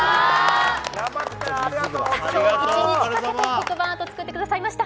今日は一日かけて、黒板アートを作ってくださいました。